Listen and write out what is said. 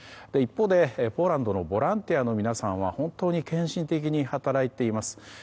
一方で、ポーランドのボランティアの皆さんは本当に献身的に働いています。